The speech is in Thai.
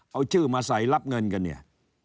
เอาชื่อมาใส่รับเงินกันเนี่ย